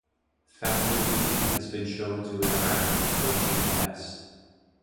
Factor V has been shown to interact with Protein S.